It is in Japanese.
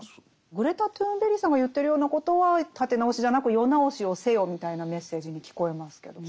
グレタ・トゥーンベリさんが言ってるようなことは立て直しじゃなく世直しをせよみたいなメッセージに聞こえますけどもね。